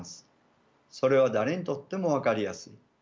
それは誰にとっても分かりやすい。